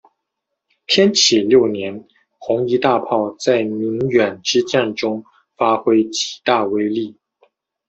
天启六年红夷大炮在宁远之战中发挥极大威力。